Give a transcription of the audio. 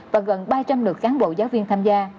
và gần ba trăm linh lượt cán bộ giáo viên tham gia